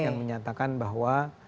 yang menyatakan bahwa